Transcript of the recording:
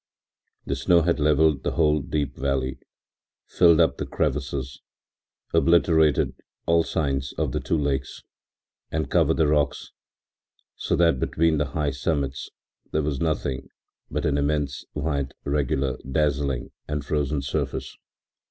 The snow had levelled the whole deep valley, filled up the crevasses, obliterated all signs of the two lakes and covered the rocks, so that between the high summits there was nothing but an immense, white, regular, dazzling and frozen surface.